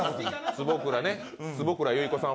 坪倉唯子さん